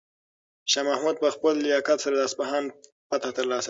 شاه محمود په خپل لیاقت سره د اصفهان فتحه ترلاسه کړه.